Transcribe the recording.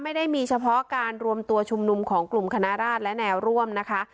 ไม่ได้มีเฉพาะการรวมตัวชุมนุมของกลุ่มคณะราชและแนวร่วมนะคะ